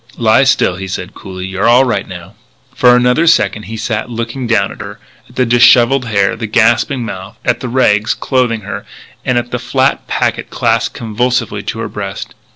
"Lie still," he said coolly; "you're all right now." For another second he sat looking down at her, at the dishevelled hair, the gasping mouth, at the rags clothing her, and at the flat packet clasped convulsively to her breast.